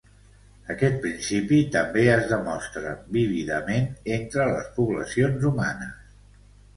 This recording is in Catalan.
Aquest principi també es demostra vívidament entre les poblacions humanes.